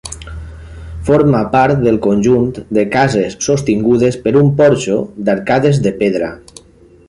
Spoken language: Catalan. Forma part del conjunt de cases sostingudes per un porxo d'arcades de pedra.